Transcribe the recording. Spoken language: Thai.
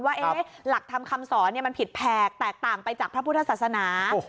ว่าหลักธรรมคำสอนมันผิดแผกแตกต่างไปจากพระพุทธศาสนา